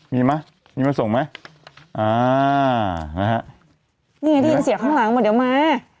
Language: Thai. มีไหมมีมาส่งไหมอ่านะฮะนี่ได้ยินเสียงข้างหลังหมดเดี๋ยวมา